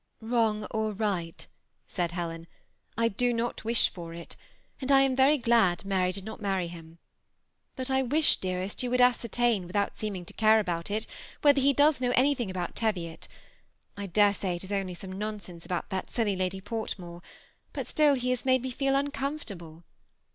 " Wrong or right," said Helen, " I do not wish for it, and I am very glad Mary did not marry him. But I wish, dearest, you would ascertain, without seeming to care about it, whether he does know anything about Teviot. I dare say it is only some nonsense about that silly Lady Portmore; but still he has made me feel uncomfortable."